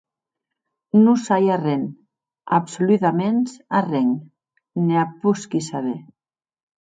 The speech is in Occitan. Non sai arren, absoludaments arren, ne ac posqui saber.